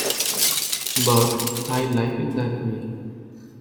But I like it that way.